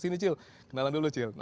sini cil kenalan dulu cil